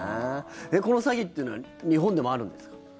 この詐欺というのは日本でもあるんですか？